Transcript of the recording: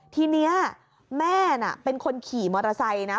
ทีนี้แม่น่ะเป็นคนขี่มอเตอร์ไซค์นะ